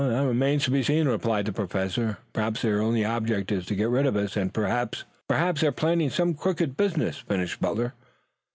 "That remains to be seen," replied the Professor. "Perhaps their only object is to get rid of us, and perhaps " "Perhaps they are planning some crooked business," finished Butler.